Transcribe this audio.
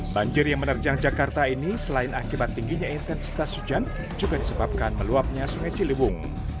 banjir yang menerjang jakarta ini selain akibat tingginya intensitas hujan juga disebabkan meluapnya sungai ciliwung